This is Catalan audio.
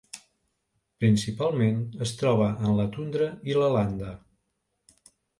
Principalment es troba en la tundra i la landa.